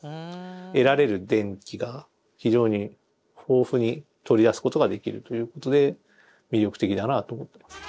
得られる電気が非常に豊富に取り出すことができるということで魅力的だなと思ってます。